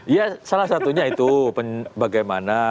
ya salah satunya itu bagaimana